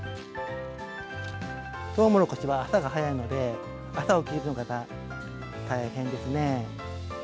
トウモロコシは朝が早いので、朝起きるのが大変ですね。